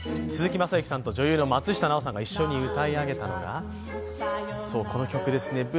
鈴木雅之さんと女優の松下奈緒さんが一緒に歌い上げたのがそう、この曲ですね。